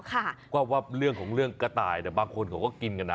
ก็ว่าเรื่องของเรื่องกระต่ายแต่บางคนเขาก็กินกันนะ